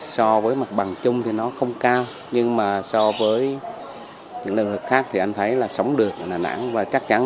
xin chào tạm biệt quý vị và các bạn